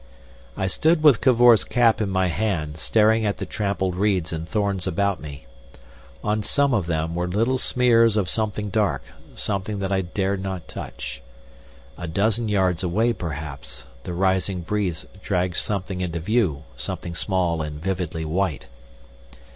I stood with Cavor's cap in my hand, staring at the trampled reeds and thorns about me. On some of them were little smears of something dark, something that I dared not touch. A dozen yards away, perhaps, the rising breeze dragged something into view, something small and vividly white.